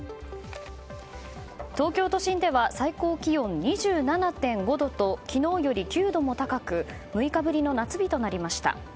東京都心では最高気温２７．５度と昨日より９度も高く６日ぶりの夏日となりました。